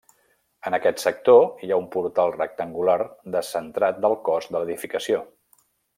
En aquest sector hi ha un portal rectangular descentrat del cos de l'edificació.